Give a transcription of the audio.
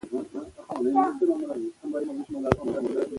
که مشق وي نو لاس نه خرابیږي.